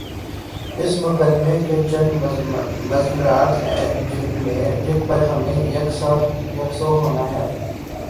اس مقدمے کے چند مضمرات ہیں جن پر ہمیں یک سو ہونا ہے۔